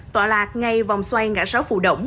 tọa lạc ngay vòng xoay ngã sáu phù động